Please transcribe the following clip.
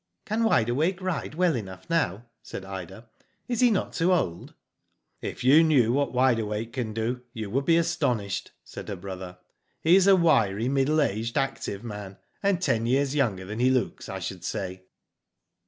" Can Wide Awake ride well enough now," said Ida. " Is be not too old ?"" If you knew what Wide Awake can do, you would be astonished," said her brother. " He is a wiry, middle aged, active man, and ten years younger than he looks, I should say."